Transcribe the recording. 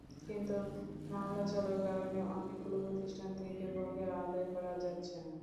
কিন্তু মামলা চলার কারণে অনেকগুলো প্রতিষ্ঠান থেকে বকেয়া আদায় করা যাচ্ছে না।